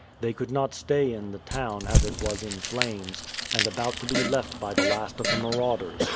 They could not stay in the town, as it was in flames, and about to be left by the last of the marauders.